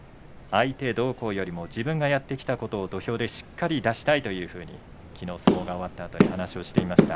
相手どうこうよりも自分がやってきたことを土俵でしっかり出したいというふうにきのう、相撲が終わったあと話をしていました。